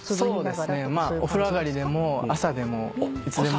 そうですねお風呂上がりでも朝でもいつでも。